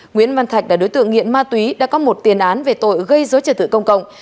nguyễn văn thạch là đối tượng nghiện ma túy đã có một tiền án về tội gây dối trật tự công cộng